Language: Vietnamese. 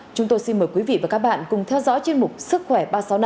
chúng tôi xin mời quý vị và các bạn cùng theo dõi chương mục sức khỏe ba trăm sáu mươi năm